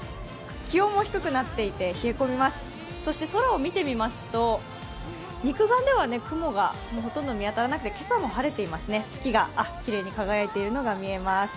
気温も低くなっていて冷え込みます、そして空を見てみますと肉眼では雲がほとんど見当たらなくて今朝も晴れていますね、月がきれいに輝いているのが見えます。